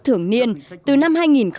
thường niên từ năm hai nghìn một mươi bốn